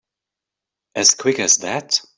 As quick as that?